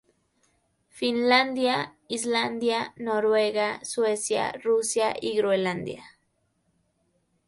Finlandia, Islandia, Noruega, Suecia, Rusia y Groenlandia.